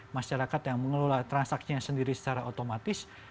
masyarakat yang mengelola transaksinya sendiri secara otomatis